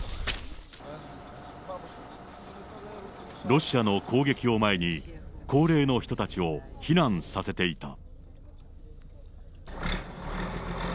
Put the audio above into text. ロシアの攻撃を前に、高齢の人たちを避難させていた。